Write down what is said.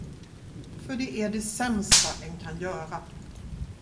För det är det sämsta en kan göra.